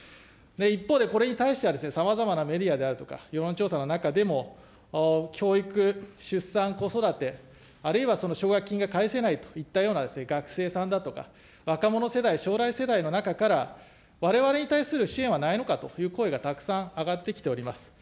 一方で、これに対しては、さまざまなメディアであるとか世論調査の中でも教育、出産、子育て、あるいはその奨学金が返せないといったような学生さんだとか、若者世代、将来世代の中から、われわれに対する支援はないのかという声がたくさん上がってきております。